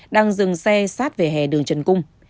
đang dừng xe sát về hè đường trần cung